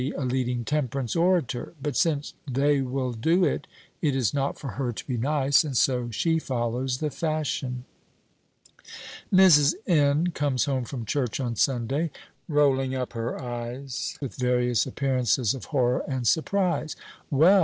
a leading temperance orator; but since they will do it, it is not for her to be nice, and so she follows the fashion. Mrs. N. comes home from church on Sunday, rolling up her eyes with various appearances of horror and surprise. "Well!